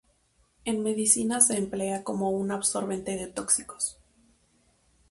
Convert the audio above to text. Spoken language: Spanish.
En medicina se emplea como un absorbente de tóxicos.